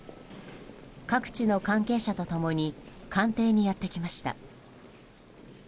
各地の関係者と共に官邸にやってきました。